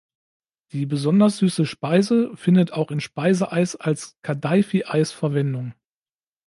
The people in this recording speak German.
Die besonders süße Speise findet auch in Speiseeis als Kadaifi-Eis Verwendung.